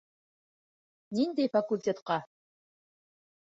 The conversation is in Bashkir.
Ниндәй факультетҡа?